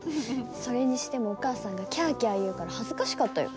それにしてもお母さんがキャキャ言うから恥ずかしかったよ。